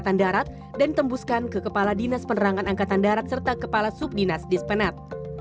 angkatan darat dan tembuskan ke kepala dinas penerangan angkatan darat serta kepala subdinas dispenat